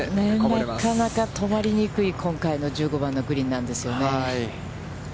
なかなか止まりにくい、今回の１５番のグリーンなんですよね。